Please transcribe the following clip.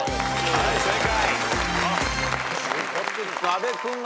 はい正解。